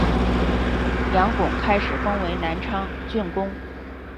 杨珙开始封为南昌郡公。